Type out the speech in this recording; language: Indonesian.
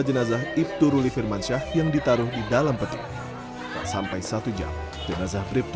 jenazah ibtu ruli firmansyah yang ditaruh di dalam peti sampai satu jam jenazah briptu